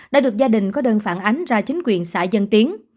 đã được gia đình có đơn phản ánh ra chính quyền xã dân tiến